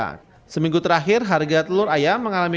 kondisi yang sama juga terjadi di pasar monokromo surabaya